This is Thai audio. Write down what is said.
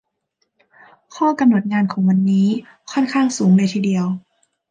ข้อกำหนดของงานนี้ ค่อนข้างสูงเลยทีเดียว